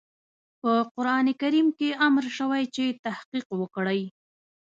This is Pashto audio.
په قرآن کريم کې امر شوی چې تحقيق وکړئ.